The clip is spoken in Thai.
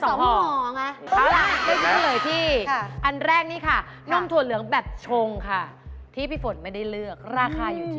เอาล่ะไปเฉลยที่อันแรกนี่ค่ะนมถั่วเหลืองแบบชงค่ะที่พี่ฝนไม่ได้เลือกราคาอยู่ที่